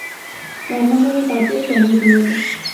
রান্নাঘরের বাতিও জ্বালিয়ে দিয়ে এল।